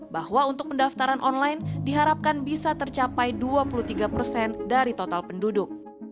bahwa untuk pendaftaran online diharapkan bisa tercapai dua puluh tiga persen dari total penduduk